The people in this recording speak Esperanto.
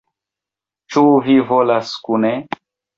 Ĉu vi volas kune?